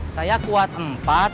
saya kuat empat